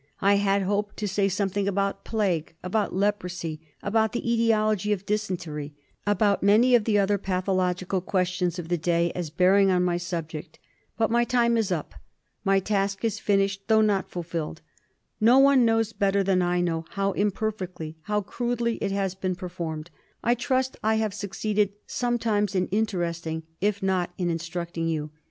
I had hoped to say something about plague, about leprosy, about the etiology of dysentery, about many of the other pathological questions of the day as bearing on my subject. But my time is up ; my task is finished though not fulfilled. No one knows better than I know how imperfectly, how crudely it has been per formed. I trust I have succeeded sometimes in inter esting, if not in instructing you.